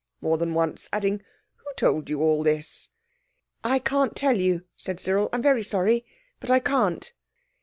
more than once, adding, "Who told you all this?" "I can't tell you," said Cyril. "I'm very sorry, but I can't."